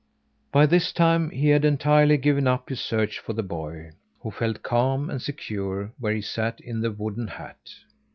By this time he had entirely given up his search for the boy, who felt calm and secure where he sat in the wooden hat.